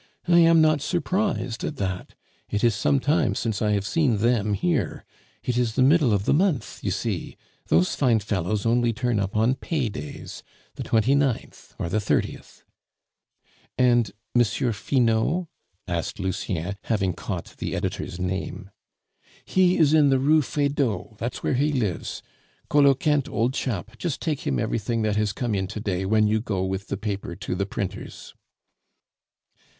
"I am not surprised at that. It is some time since I have seen 'them' here. It is the middle of the month, you see. Those fine fellows only turn up on pay days the 29th or the 30th." "And M. Finot?" asked Lucien, having caught the editor's name. "He is in the Rue Feydeau, that's where he lives. Coloquinte, old chap, just take him everything that has come in to day when you go with the paper to the printers."